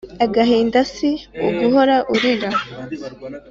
Agahinda si uguhora urira.